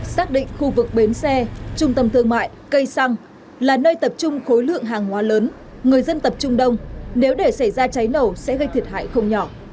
xác định khu vực bến xe trung tâm thương mại cây xăng là nơi tập trung khối lượng hàng hóa lớn người dân tập trung đông nếu để xảy ra cháy nổ sẽ gây thiệt hại không nhỏ